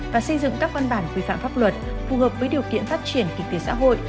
và xây dựng các văn bản quy phạm pháp luật phù hợp với điều kiện phát triển kinh tế xã hội